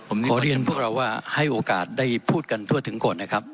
ผมขอเรียนพวกเราว่าให้โอกาสได้พูดกันทั่วถึงก่อนนะครับ